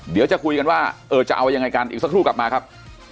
เดี๋ยวจะคุยกันว่าเออจะเอายังไงกันอีกสักครู่กลับมาครับ